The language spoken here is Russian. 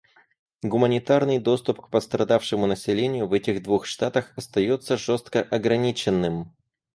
Гуманитарный доступ к пострадавшему населению в этих двух штатах остается жестко ограниченным.